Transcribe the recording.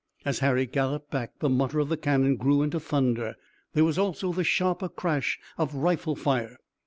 As Harry galloped back the mutter of the cannon grew into thunder. There was also the sharper crash of rifle fire.